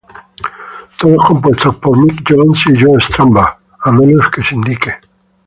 Todos compuestos por Mick Jones y Joe Strummer a menos que se indique.